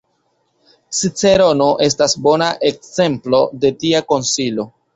Cicerono estas bona ekzemplo de tia konsilo.